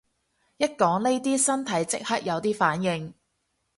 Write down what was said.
一講呢啲身體即刻有啲反應